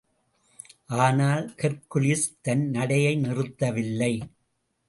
ஆனால் ஹெர்க்குலிஸ் தன் நடையை நிறுத்தவில்லை.